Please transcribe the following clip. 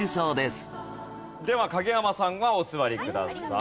では影山さんはお座りください。